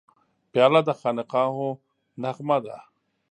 پیاله د خانقاهو نغمه ده.